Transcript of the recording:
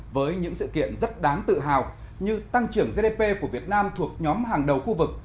với những sự kiện rất đáng tự hào như tăng trưởng gdp của việt nam thuộc nhóm hàng đầu khu vực